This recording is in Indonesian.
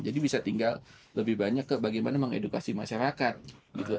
jadi bisa tinggal lebih banyak ke bagaimana mengedukasi masyarakat gitu